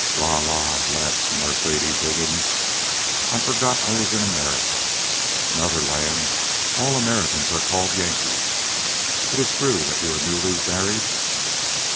"La la," laughed Mercedes Higgins. "I forgot I was in America. In other lands all Americans are called Yankees. It is true that you are newly married?"